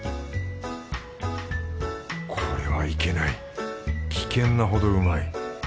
これはいけない危険なほどうまい。